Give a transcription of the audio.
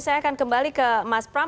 saya akan kembali ke mas pram